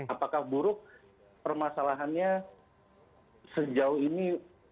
apakah buruk permasalahannya sejauh ini